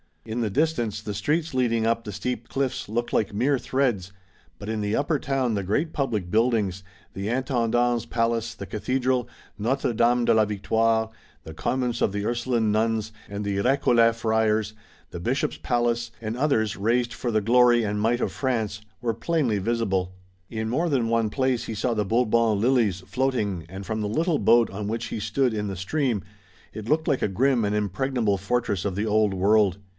In the distance the streets leading up the steep cliffs looked like mere threads, but in the upper town the great public buildings, the Intendant's Palace, the Cathedral, Notre Dame de la Victoire, the convents of the Ursuline Nuns and the Recollet Friars, the Bishop's Palace, and others raised for the glory and might of France, were plainly visible. In more than one place he saw the Bourbon lilies floating and from the little boat on which he stood in the stream it looked like a grim and impregnable fortress of the Old World.